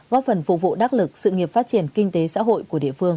góp phần phục vụ đắc lực sự nghiệp phát triển kinh tế xã hội của địa phương